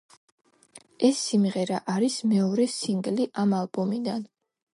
ეს სიმღერა არის მეორე სინგლი ამ ალბომიდან.